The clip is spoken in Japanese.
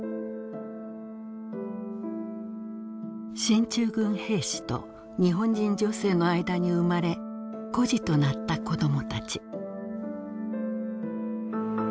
進駐軍兵士と日本人女性の間に生まれ孤児となった子どもたち。